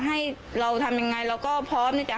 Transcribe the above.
ความปลอดภัยของนายอภิรักษ์และครอบครัวด้วยซ้ำ